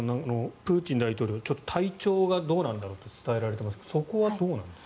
プーチン大統領体調がどうなんだろうと伝えられていますがそこはどうなんですか？